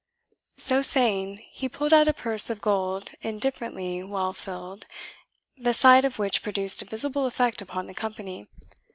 So saying, he pulled out a purse of gold indifferently well filled, the sight of which produced a visible effect upon the company.